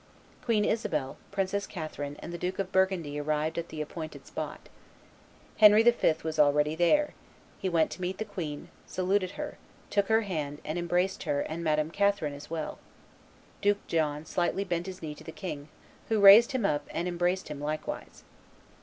Queen Isabel, Princess Catherine, and the Duke of Burgundy arrived at the appointed spot. Henry V. was already there; he went to meet the queen, saluted her, took her hand, and embraced her and Madame Catherine as well; Duke John slightly bent his knee to the king, who raised him up and embraced him likewise.